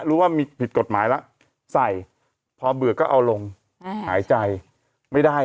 รู้ว่ามีผิดกฎหมายแล้วใส่พอเบื่อก็เอาลงหายใจไม่ได้